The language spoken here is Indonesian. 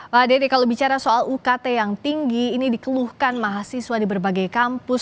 pak dede kalau bicara soal ukt yang tinggi ini dikeluhkan mahasiswa di berbagai kampus